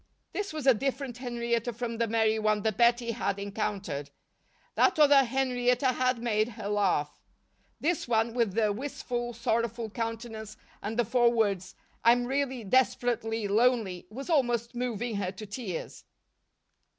This was a different Henrietta from the merry one that Bettie had encountered. That other Henrietta had made her laugh. This one, with the wistful, sorrowful countenance and the four words "I'm really desperately lonely," was almost moving her to tears.